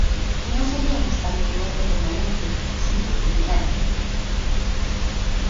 No sería un establecimiento permanente sino itinerante.